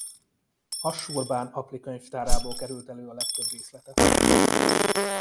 Assur-bán-apli könyvtárából került elő a legtöbb részlete.